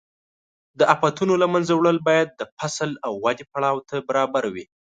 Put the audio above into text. د آفتونو له منځه وړل باید د فصل د ودې پړاو ته برابر وي.